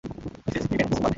Mrs Krementz বাদে।